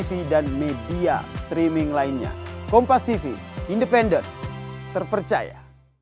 mudah mudahan lebaran kali ini semua bisa bahagia